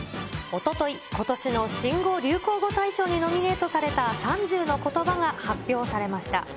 おととい、ことしの新語・流行語大賞にノミネートされた３０のことばが発表されました。